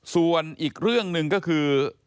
ส่วนอีกเรื่องหนึ่งก็คือ